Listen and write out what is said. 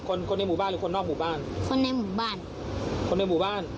คนคนในหมู่บ้านหรือคนนอกหมู่บ้านคนในหมู่บ้านคนในหมู่บ้าน